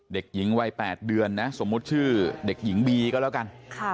เด็กหญิงวัย๘เดือนนะสมมุติชื่อเด็กหญิงบีก็แล้วกัน